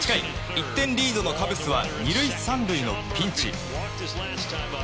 １点リードのカブスは２塁３塁のピンチ。